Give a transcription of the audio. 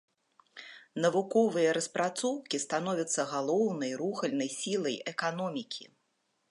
Навуковыя распрацоўкі становяцца галоўнай рухальнай сілай эканомікі.